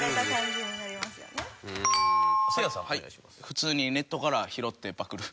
普通にネットから拾ってパクる。